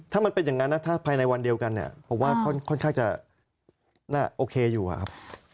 ถ้ามันเป็นอย่างนั้นนะถ้าภายในวันเดียวกันเนี่ยผมว่าค่อนข้างจะน่าโอเคอยู่อะครับ